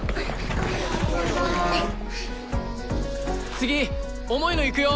次重いのいくよ。